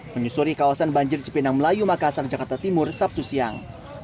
menyusuri kawasan banjir cipinang melayu makassar jakarta timur sabtu siang